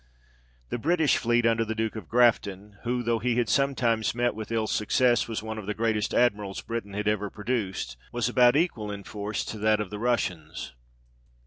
The British fleet, under the Duke of Grafton (who, though he had sometimes met with ill success, was one of the greatest Admirals Britain had ever produced), was about equal in force to that of the Russians.